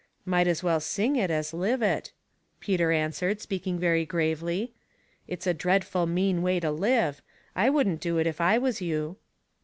" Might as well sing it as live it," Peter an swered, speaking very gravely. " It's a dreadful mean way to live. I wouldn't do it if I was you."